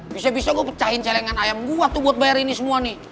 bisa bisa gue pecahin celengan ayam gue tuh buat bayar ini semua nih